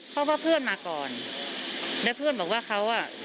เพราะว่าเพื่อนมาก่อนแล้วเพื่อนบอกว่าเขาอ่ะ